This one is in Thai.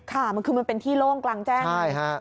ค่ะมันคือมันเป็นที่โล่งกลางแจ้ง